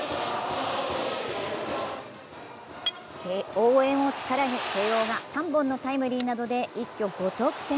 応援を力に、慶応が３本のタイムリーなどで一挙５得点。